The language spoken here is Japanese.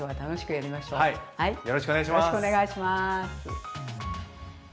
よろしくお願いします。